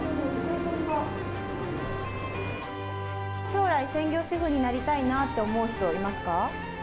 将来、専業主婦になりたいなって思う人いますか？